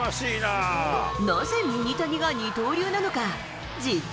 なぜミニタニが二刀流なのか。